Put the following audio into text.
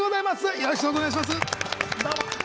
よろしくお願いします。